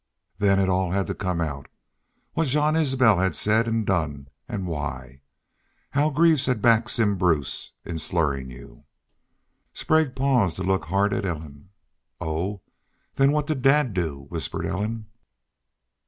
... Then it all had to come out what Jean Isbel had said an' done an' why. How Greaves had backed Simm Bruce in slurrin' you!" Sprague paused to look hard at Ellen. "Oh! Then what did dad do?" whispered Ellen.